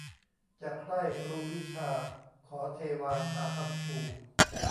จะใคร่รู้วิชา ขอเทวามาค้ำชู